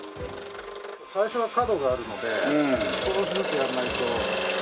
最初は角があるのでそれをずっとやらないと。